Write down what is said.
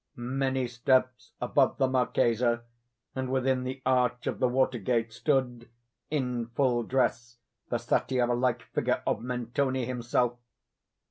Many steps above the Marchesa, and within the arch of the water gate, stood, in full dress, the Satyr like figure of Mentoni himself.